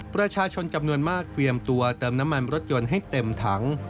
ประชาชนจำนวนมากเตรียมตัวเติมน้ำมันรถยนต์ให้เต็มถัง